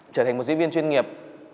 trở thành một diễn viên chuyên nghiệp